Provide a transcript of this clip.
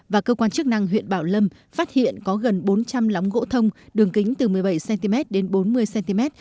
và cơ quan chức năng huyện bảo lâm phát hiện có gần bốn trăm linh lóng gỗ thông đường kính từ một mươi bảy cm đến bốn mươi cm